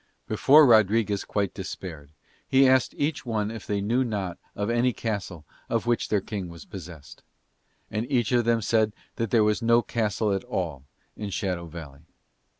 Before Rodriguez quite despaired he asked each one if they knew not of any castle of which their King was possessed; and each of them said that there was no castle in all Shadow Valley.